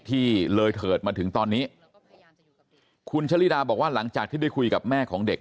ที่เลยเถิดมาถึงตอนนี้คุณชะลิดาบอกว่าหลังจากที่ได้คุยกับแม่ของเด็ก